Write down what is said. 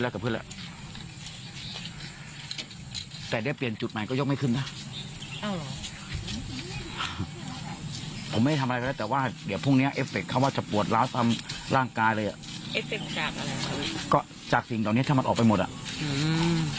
ก็จากสิ่งเหล่านี้ถ้ามันออกไปหมดอ่ะอืม